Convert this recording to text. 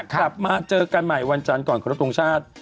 กลับมาเจอกันใหม่วันจันทร์ก่อนขอรบทรงชาติ